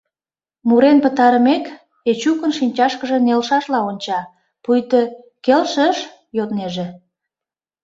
Мурен пытарымек, Эчукын шинчашкыже нелшашла онча, пуйто «Келшыш?» йоднеже.